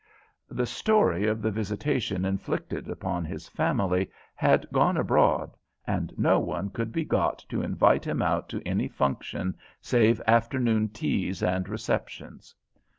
The story of the visitation inflicted upon his family had gone abroad, and no one could be got to invite him out to any function save afternoon teas and receptions.